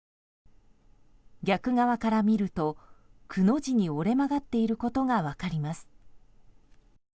逆側から見るとくの字に折れ曲がっていることが分かります。